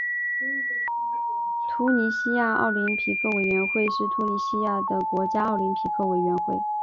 突尼西亚奥林匹克委员会是突尼西亚的国家奥林匹克委员会。